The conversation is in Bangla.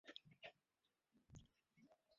ওসি জানান, লাশের মুখে বিষের গন্ধ রয়েছে।